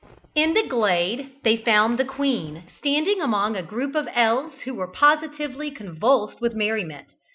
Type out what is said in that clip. In the glade they found the queen, standing among a group of elves who were positively convulsed with merriment.